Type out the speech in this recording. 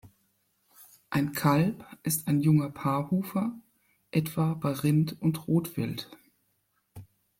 Ein Kalb ist ein junger Paarhufer, etwa bei Rind und Rotwild.